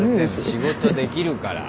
仕事できるから。